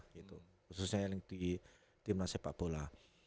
khususnya yang di tim nasib pak bola